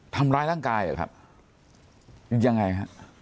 ทำร้ายร่างกายเหรอครับยังไงฮะ